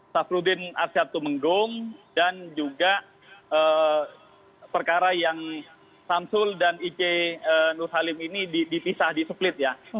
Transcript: safrudin arsyad tumenggung dan juga perkara yang samsul dan ich nur salim ini dipisah displit ya